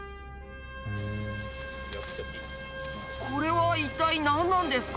これは一体何なんですか？